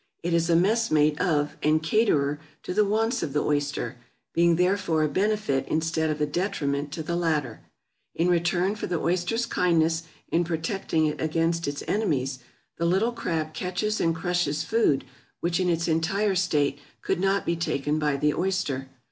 It is a messmate of and caterer to the wants of the oyster, being therefore a benefit instead of a detriment to the latter. In return for the oyster's kindness in protecting it against its enemies, the little crab catches and crushes food which in its entire state could not be taken by the oyster.